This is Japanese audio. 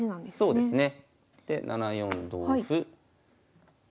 そうですね。